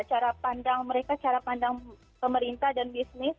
cara pandang mereka cara pandang pemerintah dan bisnis